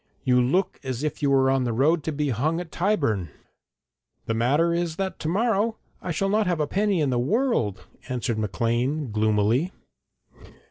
You look as if you were on the road to be hung at Tyburn.' 'The matter is that to morrow I shall not have a penny in the world,' answered Maclean, gloomily.